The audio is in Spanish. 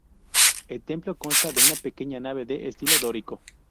El templo consta de una pequeña nave de estilo dórico.